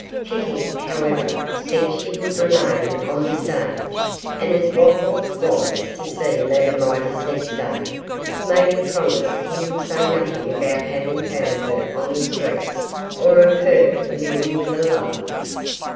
Kitty, however, said she would remain on the stage, and as Wopples was to see Madame Midas next day, made him promise he would say nothing about having found her on the streets, or of her living with a lover.